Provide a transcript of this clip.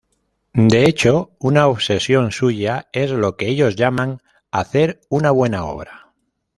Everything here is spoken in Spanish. De hecho, una obsesión suya es lo que ellos llaman "Hacer una buena obra".